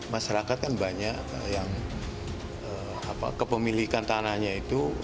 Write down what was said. masyarakat kan banyak yang kepemilikan tanahnya itu